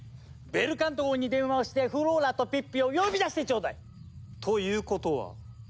ベルカント号に電話をしてフローラとピッピを呼び出してちょうだい！ということは？